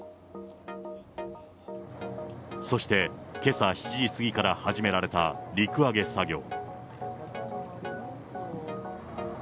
そして、けさ７時過ぎから始められた陸揚げ作業。